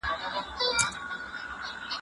کار د ټولنیز پرمختګ بنسټ ګڼل کېږي.